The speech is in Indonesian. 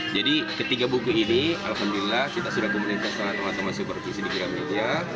jadi ketiga buku ini alhamdulillah kita sudah komunikasi sama teman teman supervisi di kira media